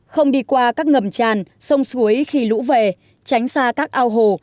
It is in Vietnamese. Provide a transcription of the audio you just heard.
không đi qua các ngầm tràn sông suối khi lũ về tránh xa các ao hồ